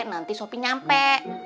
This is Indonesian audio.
nanti sopi nyampe